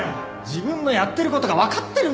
自分のやってる事がわかってるんですか！？